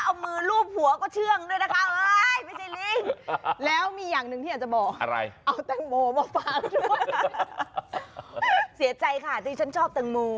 และเอามือรูปหัวก็เชื่องด้วยนะคะอ๊า๊ยพระเจ้าลิ้งค์